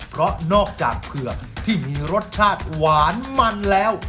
เพราะนอกจากเผือกที่มีรสชาติหวานมันแล้ว